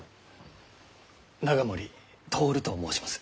永守徹と申します。